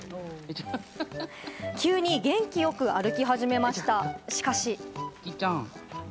急に元気よく歩き始めました、しかし。